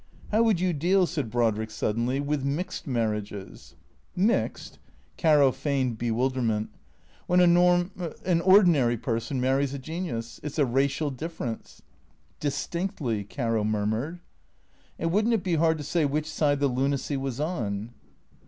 " How would you deal," said Brodrick suddenly, " with mixed marriages ?" "Mixed ?" Caro feigned bewilderment. " When a norm — an ordinary — person marries a genius ? It 's a racial difference." ("Distinctly," Caro murmured.) " And would n't it be hard to say which side the lunacy was on?"